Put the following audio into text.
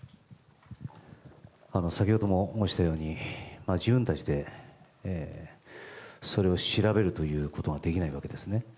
先ほども申したように自分たちでそれを調べるということができないわけですね。